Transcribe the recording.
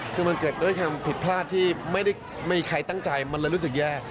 คือมันเกิดด้วยความผิดพลาดที่ไม่ได้มีใครตั้งใจมันเลยรู้สึกแย่